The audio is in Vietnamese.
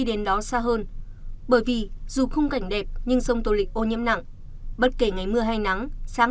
đến đó xa hơn bởi vì dù khung cảnh đẹp nhưng sông tô lịch ô nhiễm nặng bất kể ngày mưa hay nắng sáng